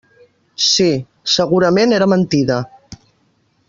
Sí; segurament era mentida.